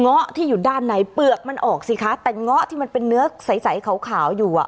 ้อะที่อยู่ด้านในเปลือกมันออกสิคะแต่เงาะที่มันเป็นเนื้อใสใสขาวขาวอยู่อ่ะ